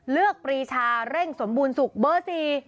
ปรีชาเร่งสมบูรณสุขเบอร์๔